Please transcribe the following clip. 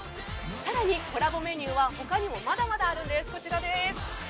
更にコラボメニューはほかにもたくさんあるんです。